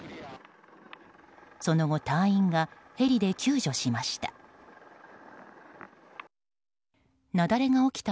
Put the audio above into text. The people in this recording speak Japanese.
その後、隊員がヘリで救助しました。